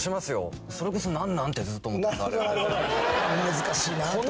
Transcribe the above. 難しいなと。